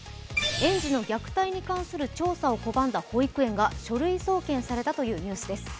園児の虐待に関する調査を拒んだ保育園が書類送検されたというニュースです。